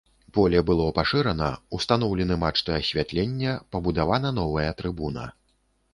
Поле было пашырана, устаноўлены мачты асвятлення, пабудавана новая трыбуна.